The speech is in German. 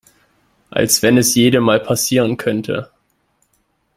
Als wenn es jedem mal passieren könnte.